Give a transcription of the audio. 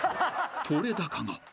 ［撮れ高が］